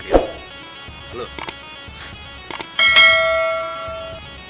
terus siapa yang mau jadi pemimpin warior